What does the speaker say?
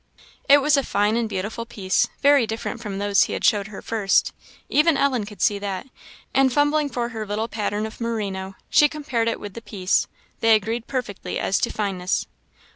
It was a fine and beautiful piece, very different from those he had showed her first. Even Ellen could see that, and fumbling for her little pattern of merino, she compared it with the piece. They agreed perfectly as to fineness.